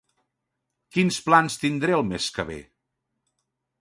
Quins plans tindré el mes que ve?